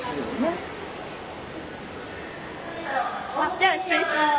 じゃあ失礼します。